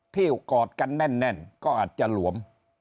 กอดกันแน่นก็อาจจะหลวม